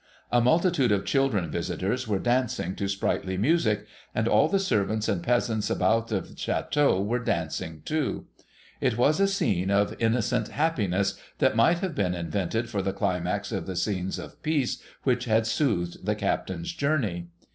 A multitude of children visitors were dancing to sprightly music ; and all the servants and peasants about the chateau were dancing THE FRENCH OFFICER AT LAST 8i too. It was a scene of innocent happiness that might have been invented for the cUmax of the scenes of peace which had soothed the Captain's journey.